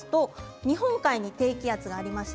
日本海に低気圧がありまして